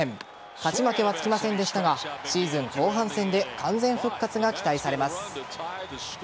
勝ち負けはつきませんでしたがシーズン後半戦で完全復活が期待されます。